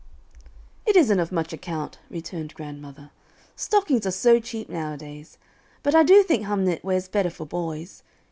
"It isn't of much account," returned grandmother. "Stockings are so cheap nowadays; but I do think hum knit wears better for boys.